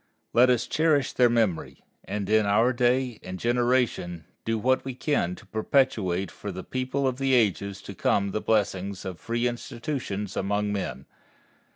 Let us cherish their memory, and in our day and generation do what we can to perpetuate for the people in the ages to come the blessings of free institutions among men.